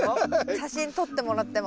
写真撮ってもらっても。